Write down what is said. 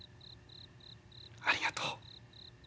ありがとう。